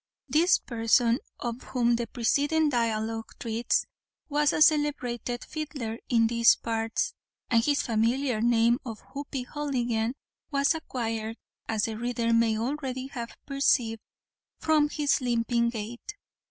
This person, of whom the preceding dialogue treats, was a celebrated fiddler in "these parts," and his familiar name of Hoppy Houligan was acquired, as the reader may already have perceived, from his limping gait.